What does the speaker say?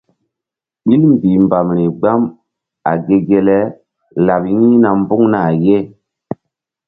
Ɓil mbih mbam ri gbam a ge ge le laɓ yi̧hna mbuŋna ye.